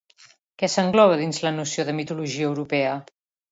Què s'engloba dins de la noció de mitologia europea?